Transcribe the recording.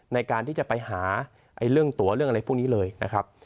ในการที่จะไปหาเรื่องตัวเรื่องอะไรพวกนี้เลยนะครับ